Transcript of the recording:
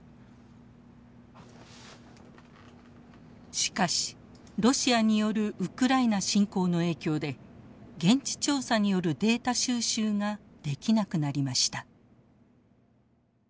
しかしロシアによるウクライナ侵攻の影響で現地調査によるデータ収集ができなくなりました。